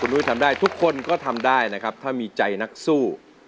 นุ้ยทำได้ทุกคนก็ทำได้นะครับถ้ามีใจนักสู้